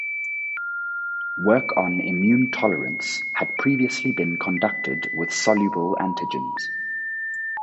Work on immune tolerance had previously been conducted with soluble antigens.